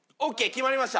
決まりました。